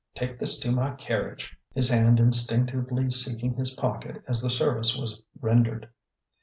take this to my carriage !" his hand instinc tively seeking his pocket as the service was rendered.